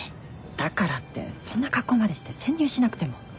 だからってそんな格好までして潜入しなくても。